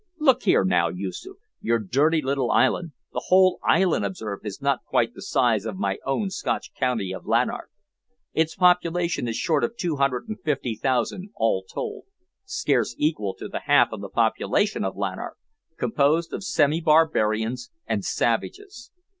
Look here, now, Yoosoof, your dirty little island the whole island observe is not quite the size of my own Scotch county of Lanark. Its population is short of 250,000 all told scarce equal to the half of the population of Lanark composed of semi barbarians and savages.